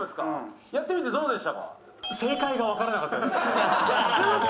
やってみてどうでした？